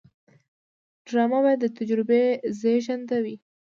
ډرامه باید د تجربې زیږنده وي